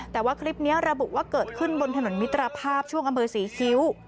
แต่ว่าคลิปนี้ระบุว่าเกิดขึ้นบนถนนมิตรภาพช่วงอำเภอศรีคิ้ว